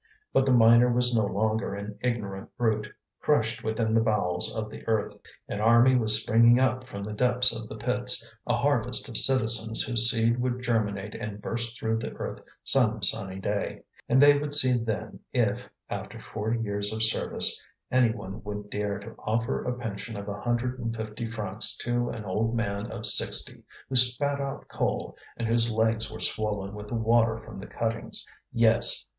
But the miner was no longer an ignorant brute, crushed within the bowels of the earth. An army was springing up from the depths of the pits, a harvest of citizens whose seed would germinate and burst through the earth some sunny day. And they would see then if, after forty years of service, any one would dare to offer a pension of a hundred and fifty francs to an old man of sixty who spat out coal and whose legs were swollen with the water from the cuttings. Yes!